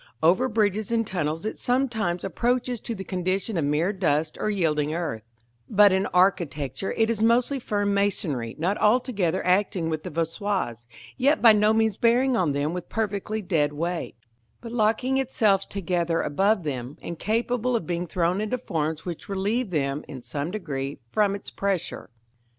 Over bridges and tunnels it sometimes approaches to the condition of mere dust or yielding earth; but in architecture it is mostly firm masonry, not altogether acting with the voussoirs, yet by no means bearing on them with perfectly dead weight, but locking itself together above them, and capable of being thrown into forms which relieve them, in some degree, from its pressure.